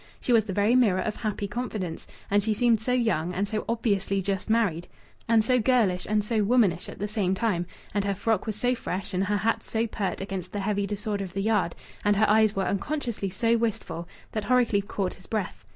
She was the very mirror of happy confidence. And she seemed so young, and so obviously just married; and so girlish and so womanish at the same time; and her frock was so fresh, and her hat so pert against the heavy disorder of the yard, and her eyes were unconsciously so wistful that Horrocleave caught his breath.